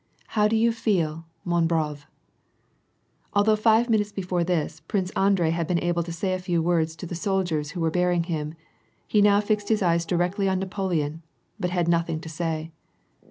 " How do you feel, man brave ?"! Although fiWQ minutes before this, Prince Andrei had been j able to say a few words to the soldiers who wert* bearing him, J now he fixed his eyes directly on Napoleon, but had nothing \ to say.